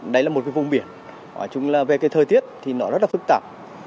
đây là một vùng biển về thời tiết thì nó rất phức tạp